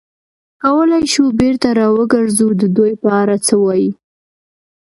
کولای شو بېرته را وګرځو، د دوی په اړه څه وایې؟